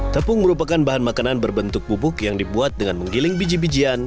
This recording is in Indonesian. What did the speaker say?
tepung merupakan bahan makanan berbentuk bubuk yang dibuat dengan menggiling biji bijian